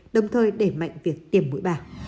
đồng thời để mạnh việc tiêm mũi ba